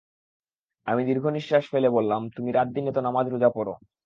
আমি দীর্ঘনিশ্বাস ফেলে বললাম, তুমি রাতদিন এত নামাজ-রোজা পড়।